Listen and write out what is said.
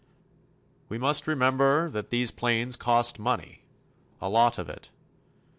We must remember that these planes cost money a lot of it.